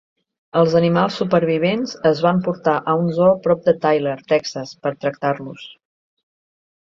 Els animals supervivents es van portar a un zoo prop de Tyler, Texas, per tractar-los.